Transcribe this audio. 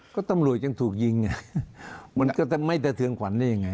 ก็ตำรวจยังถูกยิงไงมันก็จะไม่สะเทือนขวัญได้ยังไง